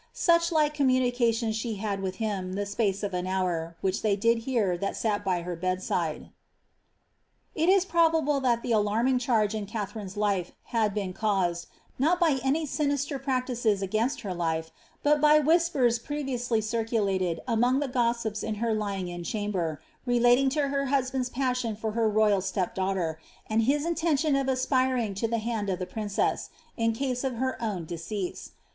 Such like Communications she had with him the space of an hour, which they did hear that sat by her bedside." ' It is probable that the alarming change in Katharine had been caused, ttot by any sinister practices against her life, but by whispers previously eirculatpd among the gossips in her lying in chamber, relating to her husband's passion for her royal step daughter, and his intention of ispiring to the hand of tlie princess, in case of her own decease.